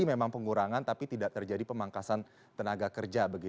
memang pengurangan tapi tidak terjadi pemangkasan tenaga kerja